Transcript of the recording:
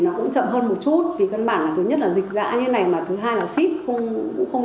nó cũng chậm hơn một chút vì cân bản là thứ nhất là dịch dã như này mà thứ hai là ship cũng không